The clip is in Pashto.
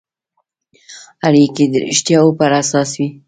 اړیکې یې د رښتیاوو پر اساس وي.